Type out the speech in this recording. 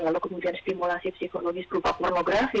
lalu kemudian stimulasi psikologis berupa pornografi